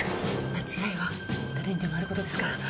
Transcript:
間違いは誰にでもあることですから。